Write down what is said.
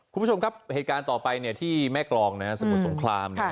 คุณผู้ชมครับเหตุการณ์ต่อไปที่แม่กรองสมุทรสงคราม